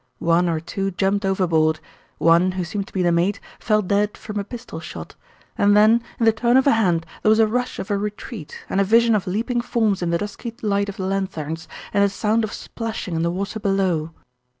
One or two jumped overboard; one, who seemed to be the mate, fell dead from a pistol shot, and then, in the turn of a hand, there was a rush of a retreat and a vision of leaping forms in the dusky light of the lanthorns and a sound of splashing in the water below.